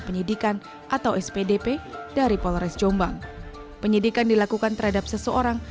penyidikan atau spdp dari polres jombang penyidikan dilakukan terhadap seseorang